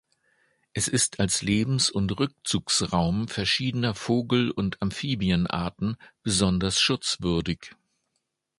Es ist als Lebens- und Rückzugsraum verschiedener Vogel- und Amphibienarten besonders schutzwürdig.